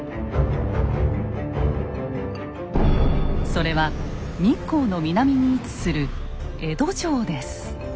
それは日光の南に位置する江戸城です。